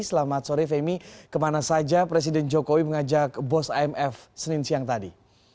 selamat sore femi kemana saja presiden jokowi mengajak bos imf senin siang tadi